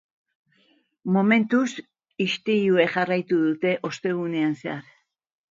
Momentuz, istiluek jarraitu dute ostegunean zehar.